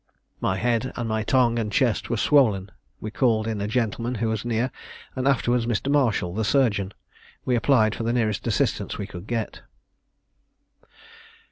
My head and my tongue and chest were swollen. We called in a gentleman who was near, and afterwards Mr. Marshall, the surgeon. We applied for the nearest assistance we could get.